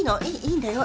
いいんだよ。